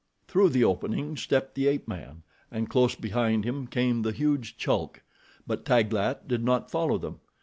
Through the opening stepped the ape man, and close behind him came the huge Chulk; but Taglat did not follow them.